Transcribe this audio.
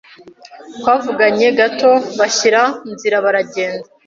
Twavuganye gato bashyira nzira baragenda.